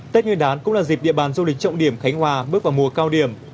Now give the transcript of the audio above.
tết nguyên đán cũng là dịp địa bàn du lịch trọng điểm khánh hòa bước vào mùa cao điểm